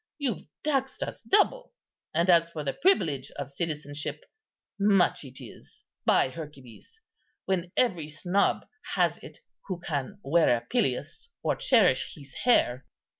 You've taxed us double; and as for the privilege of citizenship, much it is, by Hercules, when every snob has it who can wear a pileus or cherish his hair."